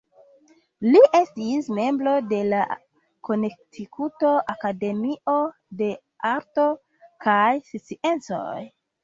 Li estis membro de la Konektikuto Akademio de Arto kaj Sciencoj.